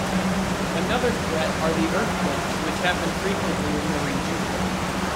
Another threat are the earthquakes which happen frequently in the region.